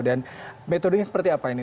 dan metodenya seperti apa ini